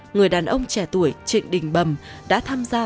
người đàn ông trẻ tuổi trịnh đình bầm đã tham gia